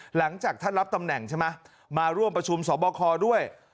หลังจากท่านรับตำแหน่งใช่ไหมมาร่วมประชุมสอบคอด้วย